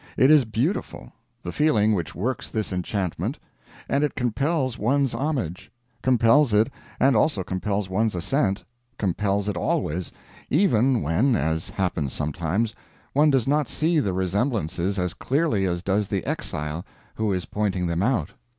It is beautiful, the feeling which works this enchantment, and it compels one's homage; compels it, and also compels one's assent compels it always even when, as happens sometimes, one does not see the resemblances as clearly as does the exile who is pointing them out.